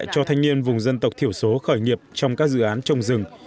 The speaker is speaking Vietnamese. cho thanh niên vùng dân tộc thiểu số khởi nghiệp trong các dự án trồng rừng